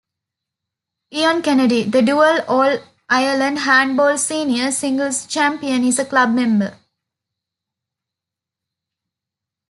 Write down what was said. Eoin Kennedy, the Dual All Ireland Handball Senior Singles Champion, is a club member.